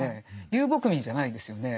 遊牧民じゃないんですよね。